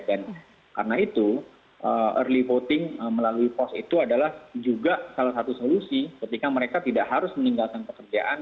dan karena itu early voting melalui pos itu adalah juga salah satu solusi ketika mereka tidak harus meninggalkan pekerjaan